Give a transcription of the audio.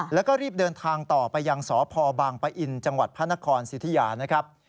แล้วก็รีบเดินทางต่อไปยังสพบางปะอินจังหวัดพระนครสิทธิยานะครับ